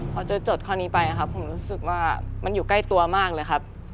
พอเจอจดข้อนี้ไปครับผมรู้สึกว่ามันอยู่ใกล้ตัวมากเลยครับ